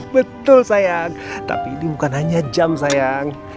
betul sayang tapi ini bukan hanya jam sayang